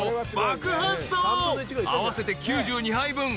［合わせて９２杯分。